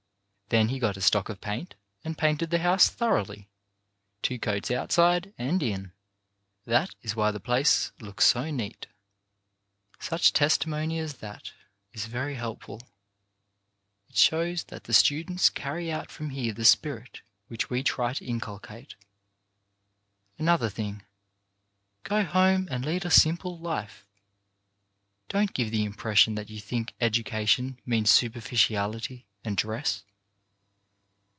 Then he got a stock of paint and painted the house thoroughly, two coats, outside and in. That is why the place looks so neat." Such testimony as that is very helpful. It shows that the students carry out from here the spirit which we try to inculcate. Another thing. Go home and lead a simple life. Don't give the impression that you think education means superficiality and dress.